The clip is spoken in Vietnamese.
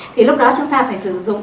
thì lúc đó chúng ta phải sử dụng